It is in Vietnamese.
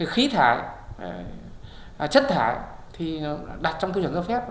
khí thải chất thải thì đặt trong tư chuẩn giao phép